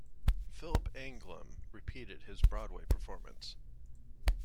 Philip Anglim repeated his Broadway performance.